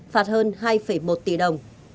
phạt hơn hai một tỷ đồng